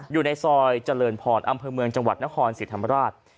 อยู่ในซอยเจริญพรอำเภอเมืองจังหวัดนครศรีธรรมราช